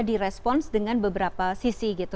di response dengan beberapa sisi